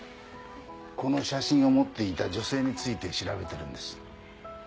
この写真を持っていた女性について調べてるんです。